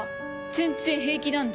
全然平気なんで。